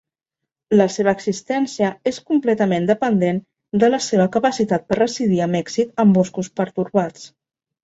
La seva existència és completament dependent de la seva capacitat per residir amb èxit en boscos pertorbats.